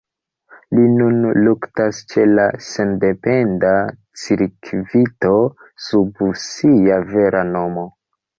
Li nun luktas ĉe la sendependa cirkvito sub sia vera nomo.